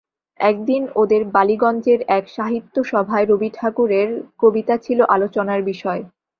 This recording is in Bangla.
একদিন ওদের বালিগঞ্জের এক সাহিত্যসভায় রবি ঠাকুরের কবিতা ছিল আলোচনার বিষয়।